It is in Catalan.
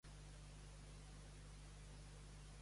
Pot haver aprés de Bagnacavallo o de Innocenzo da Imola.